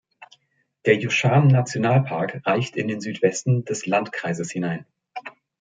Der Yushan-Nationalpark reicht in den Südwesten des Landkreises hinein.